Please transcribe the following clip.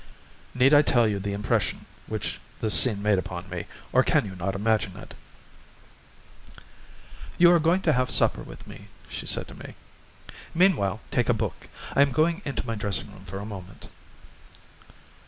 Need I tell you the impression which this scene made upon me, or can you not imagine it? "You are going to have supper with me," she said to me; "meanwhile, take a book. I am going into my dressing room for a moment."